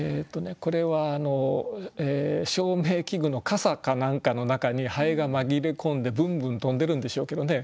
これは照明器具のかさかなんかの中に蠅が紛れ込んでブンブン飛んでるんでしょうけどね。